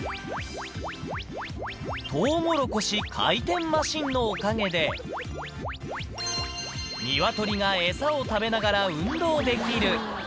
とうもろこし回転マシンのおかげで、ニワトリが餌を食べながら運動できる。